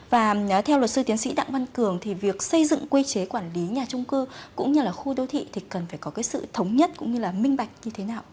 và theo luật sư tiến sĩ đặng văn cường thì việc xây dựng quy chế quản lý nhà trung cư cũng như là khu đô thị thì cần phải có cái sự thống nhất cũng như là minh bạch như thế nào